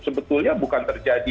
sebetulnya bukan terjadi